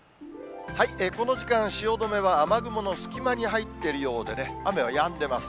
この時間、汐留は雨雲の隙間に入っているようでね、雨はやんでます。